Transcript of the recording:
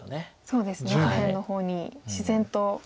そうですね下辺の方に自然と。